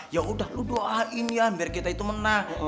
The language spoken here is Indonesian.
ya udah lo doain ya biar kita itu menang